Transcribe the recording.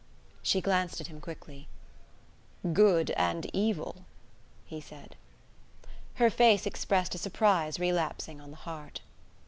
She glanced at him quickly. "Good and evil!" he said. Her face expressed a surprise relapsing on the heart.